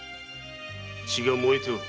血が燃えておる。